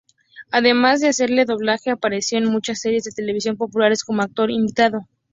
Además de hacer doblaje, apareció en muchas series de televisión populares como actor invitado.